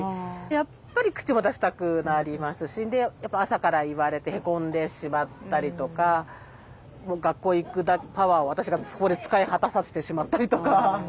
やっぱり口も出したくなりますしで朝から言われてヘコんでしまったりとかもう学校行くパワーを私がそこで使い果たさせてしまったりとか。